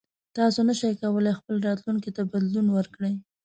تاسو نشئ کولی خپل راتلونکي ته بدلون ورکړئ.